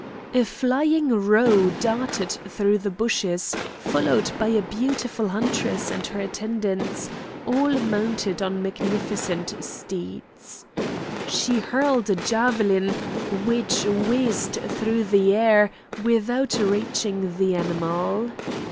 A flying roe darted through the bushes followed by a beautiful huntress and her attendants, all mounted on magnificent steeds. She hurled a javelin which whizzed through the air without reaching the animal.